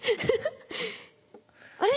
あれ？